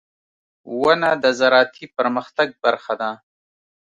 • ونه د زراعتي پرمختګ برخه ده.